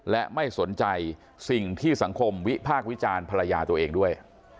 และไม่สนใจสิ่งที่สังคมวิพากษ์วิจารณ์ภรรยาตัวเองด้วย